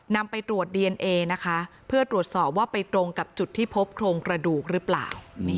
นำไปตรวจดีเอนเอนะคะเพื่อตรวจสอบว่าไปตรงกับจุดที่พบโครงกระดูกหรือเปล่า